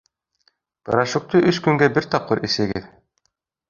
Порошокты өс көнгә бер тапҡыр әсегеҙ